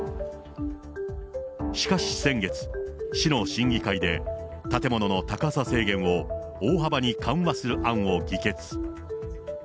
しかし先月、市の審議会で、建物の高さ制限を大幅に緩和する案を議決。